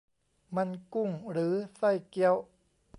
มัน 'กุ้ง' หรือ 'ไส้เกี๊ยว' ?